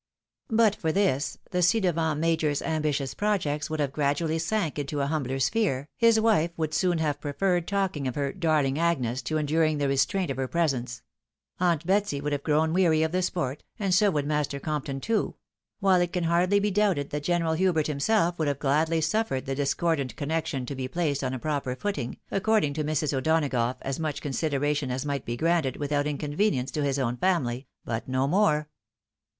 But for this, the ci devant major's ambitious projects would have gradually sank into a humbler sphere, his wife would soon have preferred talking of her "darling Agnes," to enduring the restraint of her presence ; aunt Betsy would have grown weary of the sport, and so would Master Compton too ; while it can hardly be doubted that General Hubert himself would have gladly suffered the discordant connection to be placed on a proper footing, according to Mrs. O'Donagough as much consideration as might be granted without inconvenience to his own family, but no more.